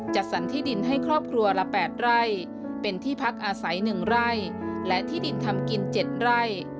จัดสรรที่ดินให้ครอบครัวละ๘ไร่เป็นที่พักอาศัย๑ไร่และที่ดินทำกิน๗ไร่